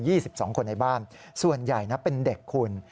มี๒๒คนในบ้านส่วนใหญ่เป็นเด็กคุณ